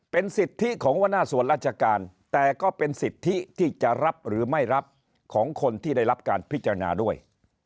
เป็นสิทธิของหัวหน้าส่วนราชการแต่ก็เป็นสิทธิที่จะรับหรือไม่รับของคนที่ได้รับการพิจารณาด้วย